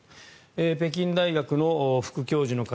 北京大学の副教授の方